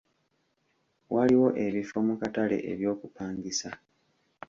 Waliwo ebifo mu katale eby'okupangisa?